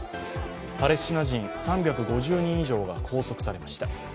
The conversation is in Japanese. パレスチナ人３５０人以上が拘束されました。